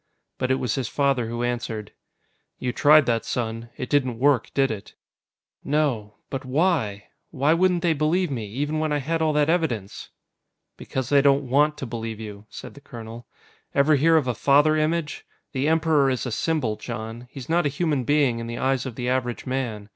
But it was his father who answered. "You tried that, son. It didn't work, did it?" "No. But why? Why wouldn't they believe me, even when I had all that evidence?" "Because they don't want to believe you," said the colonel. "Ever hear of a father image? The Emperor is a symbol, Jon. He's not a human being in the eyes of the average man.